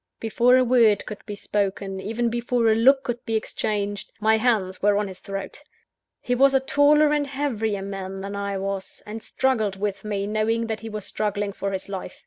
Before a word could be spoken, even before a look could be exchanged, my hands were on his throat. He was a taller and heavier man than I was; and struggled with me, knowing that he was struggling for his life.